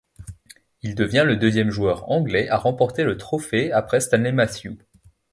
Il devient le deuxième joueur anglais à remporter le trophée après Stanley Matthews.